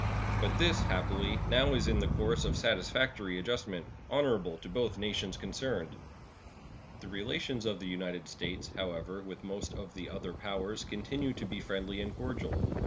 But this, happily, now is in the course of satisfactory adjustment, honorable to both nations concerned. The relations of the United States, however, with most of the other powers continue to be friendly and cordial.